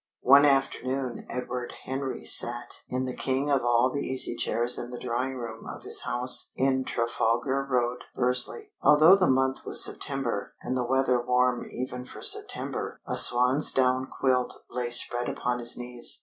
One afternoon Edward Henry sat in the king of all the easy chairs in the drawing room of his house in Trafalgar Road, Bursley. Although the month was September, and the weather warm even for September, a swansdown quilt lay spread upon his knees.